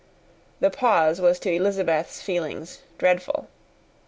The pause was to Elizabeth's feelings dreadful.